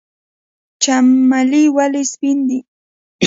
چمیلی ولې سپین دی؟